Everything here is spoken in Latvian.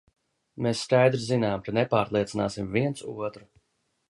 Mēs skaidri zinām, ka nepārliecināsim viens otru.